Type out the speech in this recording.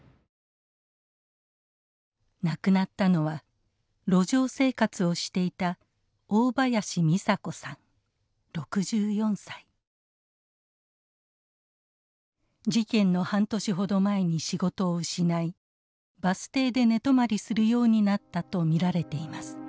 亡くなったのは路上生活をしていた事件の半年ほど前に仕事を失いバス停で寝泊まりするようになったと見られてます。